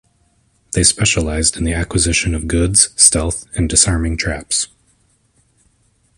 They specialized in the acquisition of goods, stealth, and disarming traps.